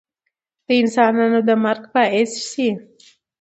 د انسانانو د مرګ باعث شي